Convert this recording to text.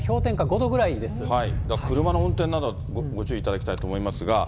だから車の運転などは、ご注意いただきたいと思いますが。